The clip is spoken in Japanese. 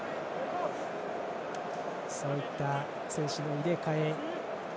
そういった選手の入れ替え。